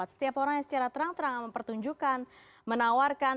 setiap orang yang secara terang terang mempertunjukkan menawarkan